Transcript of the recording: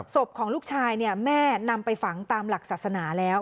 ศพของลูกชายแม่นำไปฝังตามหลักศาสนาแล้ว